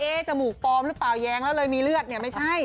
จมูกปลอมหรือเปล่าแย้งแล้วเลยมีเลือดเนี่ยไม่ใช่